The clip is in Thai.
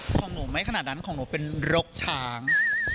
ของหนูไม่ขนาดนั้นของหนูเป็นรกช้าง